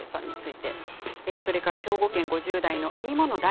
それから兵庫県５０代の方。